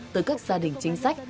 từ các gia đình chính sách